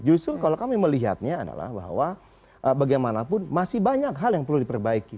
justru kalau kami melihatnya adalah bahwa bagaimanapun masih banyak hal yang perlu diperbaiki